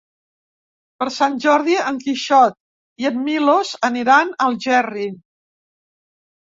Per Sant Jordi en Quixot i en Milos aniran a Algerri.